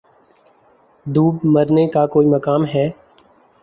دوب مرنے کا کوئی مقام ہے